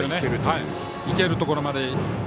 いけるところまで。